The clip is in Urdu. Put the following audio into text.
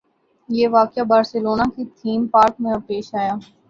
یہ واقعہ بارسلونا کے تھیم پارک میں پیش آیا